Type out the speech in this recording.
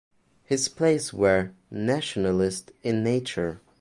His plays were nationalist in nature.